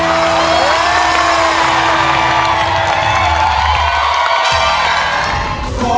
ขอบคุณครับ